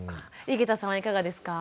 井桁さんはいかがですか？